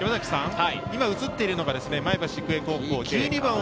今、映っているのが前橋育英高校、１２番を